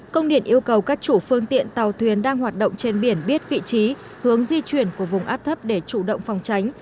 công điện yêu cầu các chủ phương tiện tàu thuyền đang hoạt động trên biển biết vị trí hướng di chuyển của vùng áp thấp để chủ động phòng tránh